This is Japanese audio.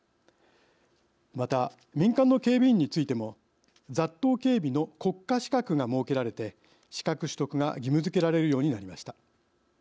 また、民間の警備員についても雑踏警備の国家資格が設けられて資格取得が義務づけられるようになりました。